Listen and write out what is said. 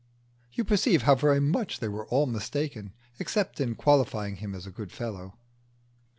You perceive how very much they were all mistaken, except in qualifying him as a good fellow.